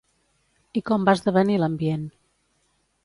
I com va esdevenir l'ambient?